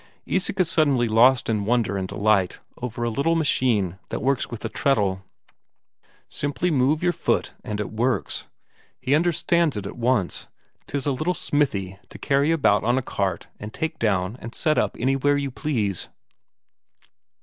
Isak is suddenly lost in wonder and delight over a little machine that works with a treadle simply move your foot and it works. He understands it at once 'tis a little smithy to carry about on a cart and take down and set up anywhere you please.